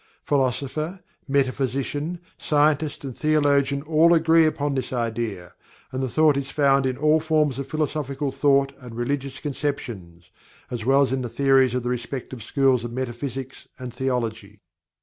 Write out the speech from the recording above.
Philosopher, metaphysician, scientist and theologian all agree upon this idea, and the thought is found in all forms of philosophical thought and religious conceptions, as well as in the theories of the respective schools of metaphysics and theology.